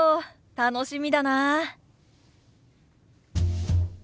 楽しみだなあ。